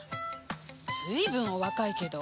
随分お若いけど。